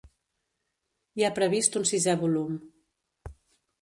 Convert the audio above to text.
Hi ha previst un sisè volum.